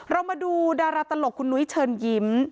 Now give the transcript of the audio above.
เรามาดูดาราตลกคุณนุ้ยเชิญยิ้ม